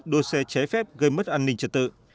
đôi xe cháy phép gây mất an ninh trật tự